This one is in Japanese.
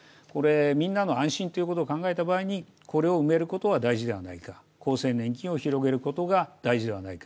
みんなの安心を考えた場合にこれを埋めることは大事ではないか厚生年金を広げることが大事ではないか。